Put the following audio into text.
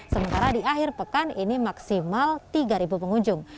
sementara di akhir pekan ini maksimal tiga pengunjung